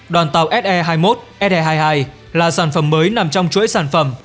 đoàn tàu se hai mươi một se hai mươi hai là sản phẩm mới nằm trong chuỗi sản phẩm